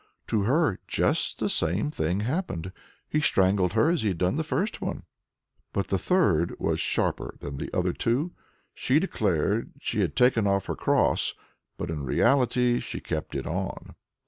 To her just the same thing happened: he strangled her as he had done the first one. But the third was sharper than the other two. She declared she had taken off her cross, but in reality she kept it on.